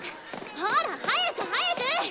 ほら早く早く！